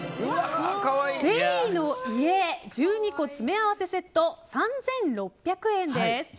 ゼリーのイエ１２個詰め合わせセット３６００円です。